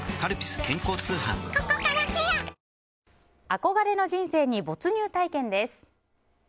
憧れの人生に没入体験です！